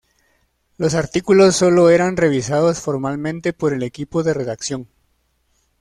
Los artículos solo eran revisados formalmente por el equipo de redacción.